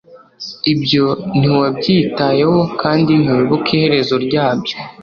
ibyo ntiwabyitayeho kandi ntiwibuka iherezo ryabyo